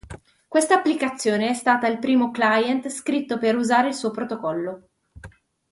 Quest'applicazione è stata il primo client scritto per usare il suo protocollo.